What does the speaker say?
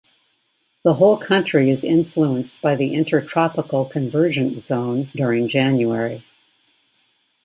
The whole country is influenced by the Intertropical Convergence Zone during January.